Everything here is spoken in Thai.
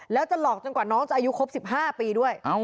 แล้วจะหลอกจนกว่าน้องจะอายุครบ๑๕ปีด้วย